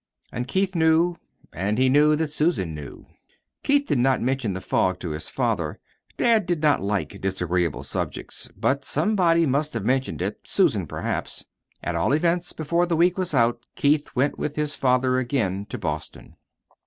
And Keith knew. And he knew that Susan knew. Keith did not mention the fog to his father dad did not like disagreeable subjects. But somebody must have mentioned it Susan, perhaps. At all events, before the week was out Keith went with his father again to Boston.